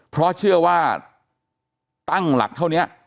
เพราะเชื่อว่าตั้งหลักเท่านี้